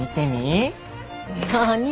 何？